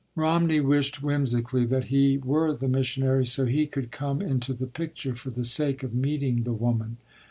Romney wished whimsically that he were the missionary so he could come into the picture for the sake of meeting the woman.